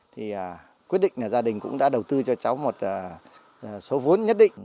thì quyết định là gia đình cũng đã đầu tư cho cháu một số vốn nhất định